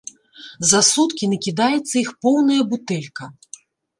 За суткі накідаецца іх поўная бутэлька.